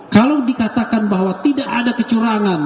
kalau dikatakan bahwa tidak ada kecurangan